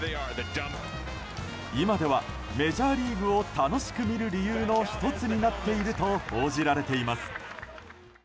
今ではメジャーリーグを楽しく見る理由の１つになっていると報じられています。